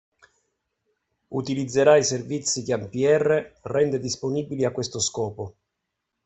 Utilizzerà i servizi che ANPR rende disponibili a questo scopo.